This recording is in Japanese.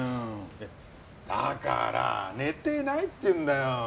いやだから寝てないって言うんだよ！